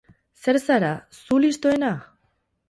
Zer zara, zu listoena?